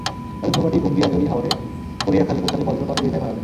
তাঁদের নৌকাটি গুঙ্গিয়াজুড়ি হাওরের কড়িয়াখালে পৌঁছালে বজ্রপাতে দুই ভাই মারা যান।